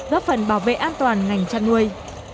góp phần bảo vệ an toàn ngành chăn nuôi